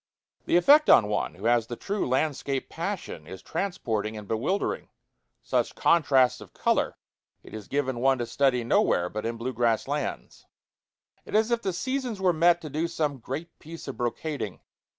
The effect on one who has the true landscape passion is transporting and bewildering. Such contrasts of color it is given one to study nowhere but in blue grass lands. It is as if the seasons were met to do some great piece of brocading.